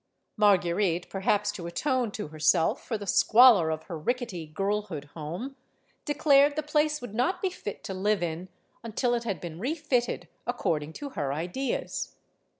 Marguerite, perhaps to atone to herself for the squalor of her rickety girlhood home, declared the place would not be fit to live in until it had been refitted according to her ideas.